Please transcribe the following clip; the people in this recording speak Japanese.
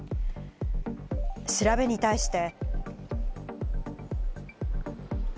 調べに対して。